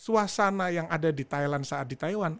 suasana yang ada di thailand saat di taiwan